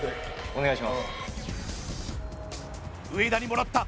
お願いします